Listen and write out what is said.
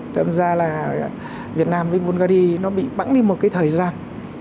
thêm ra là việt nam với bulgari nó bị bắn đi một cái thời gian